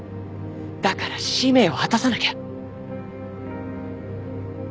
だから使命を果たさなきゃ。